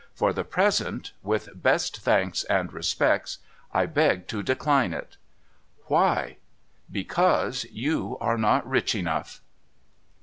For the present (with best thanks and respects), I beg to decline it.' ' Why ?'• Because you are not rich enough.'